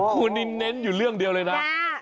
คุณนี่เน้นอยู่เรื่องเดียวเลยนะ